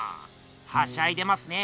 はしゃいでますね。